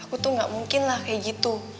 aku tuh gak mungkin lah kayak gitu